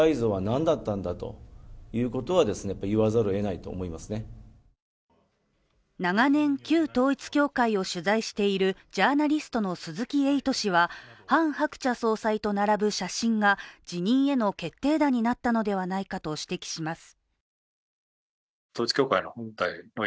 野党からは長年、旧統一教会を取材しているジャーナリストの鈴木エイト氏はハン・ハクチャ総裁と並ぶ写真が、辞任への決定打になったのではないかと指摘します。